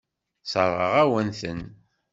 Sseṛɣeɣ-awen-ten.